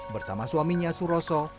bersama suaminya suroso